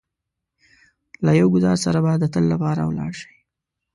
له يو ګوزار سره به د تل لپاره ولاړ شئ.